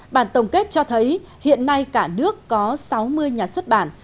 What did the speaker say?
bản tổng kết cho thấy hiện nay cả nước có sáu mươi nhà xuất bản